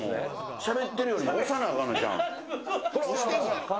しゃべってるよりおさなあかんちゃうの。